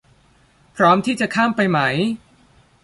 พร้อมที่จะข้ามไปไหม